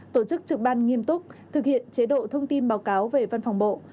tổ chức trực ban nghiêm túc thực hiện chế độ thông tin báo cáo về văn phòng bộ